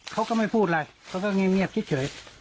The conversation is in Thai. เขาก็ไม่พูดอะไรเขาก็เงียบเฉย